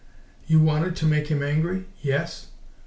"You wanted to make him angry?" "Yes."